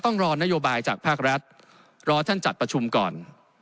ต้องรอนโยบายจากภาครัฐรอท่านจัดประชุมก่อน